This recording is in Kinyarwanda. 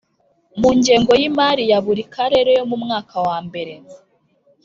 Mu ngengo y imari ya buri Karere yo mu mwaka wambere